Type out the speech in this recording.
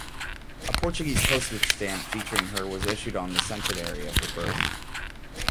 A Portuguese postage stamp featuring her was issued on the centenary of her birth.